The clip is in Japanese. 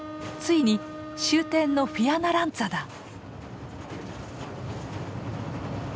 ついに終点のフィアナランツァだ。